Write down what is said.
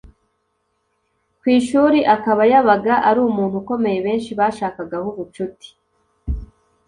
ku ishuri akaba yabaga ari umuntu ukomeye benshi bashakagaho ubucuti.